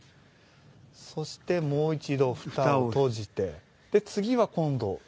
そしてもう一度ふたを閉じて。